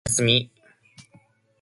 土日休み。